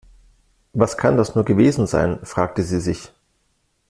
Was kann das nur gewesen sein, fragte sie sich.